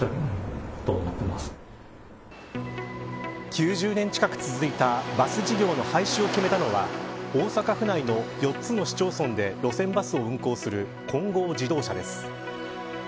９０年近く続いたバス事業の廃止を決めたのは大阪府内の４つの市町村で路線バスを運行する金剛自動車です。